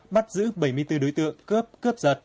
bắt giữ bảy mươi bốn đối tượng cướp cướp giật